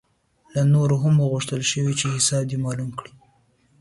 له نورو هم وغوښتل شول چې حساب دې معلوم کړي.